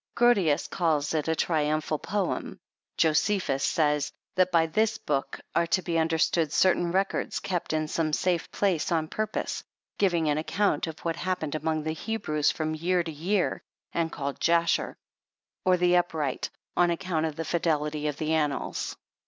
Grotius calls it a triumphal poem. Jose phus says, " That by this book cire to be understood certain records kept in some safe place on purpose, giving an account of what happened among the Hebrews from year to year, and called Jasher, or the upright, on ac count of the fidelity of the annals."